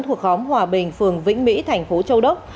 thuộc khóm hòa bình phường vĩnh mỹ thành phố châu đốc